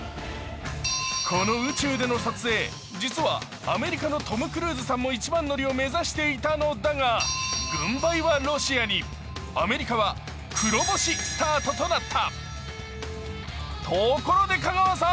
この宇宙での撮影、実はアメリカのトム・クルーズさんも一番乗りを目指していたのだが軍配はロシアにアメリカは黒星スタートとなった。